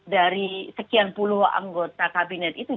dari sekian puluh anggota kabinet itu